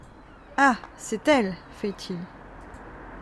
Ah ! c’est elle !… feit-il.